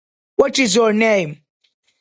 « اتفاق په پښتانه کي پیدا نه سو »